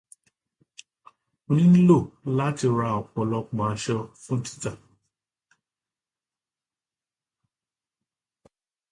Mo ní lò láti ra ọ̀pọ̀lọpọ̀ aṣọ fún títà.